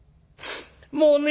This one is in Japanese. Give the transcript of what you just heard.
もう。